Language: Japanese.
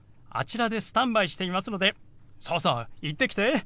あちらでスタンバイしていますのでさあさあ行ってきて！